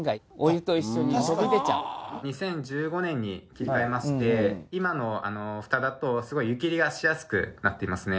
２０１５年に切り替えまして今のフタだとすごい湯切りがしやすくなっていますね。